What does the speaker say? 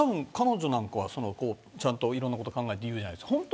彼女なんかはちゃんといろんなこと考えて言うじゃないですか。